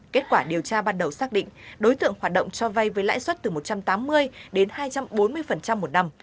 kết quả điều tra ban đầu xác định đối tượng hoạt động cho vay với lãi suất từ một trăm tám mươi đến hai trăm bốn mươi một năm